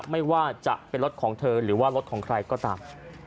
ไม่ว่าจะเป็นรถของเธอหรือว่ารถของใครก็ตาม